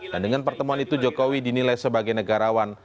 dan dengan pertemuan itu jokowi dinilai sebagai negarawan